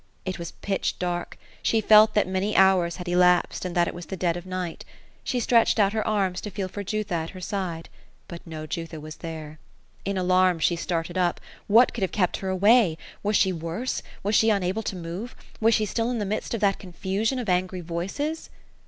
It was pilch dark ; she felt that many hours had elapsed, and that it was dead of night. She stretched out her arms, to feel for Ju tha at her side ; but no Jutha was there. In alarm, she started up. What could have kept her away? Was she worse? Was she unable to move? Was she still in the midst of that confu.sion of angry voices?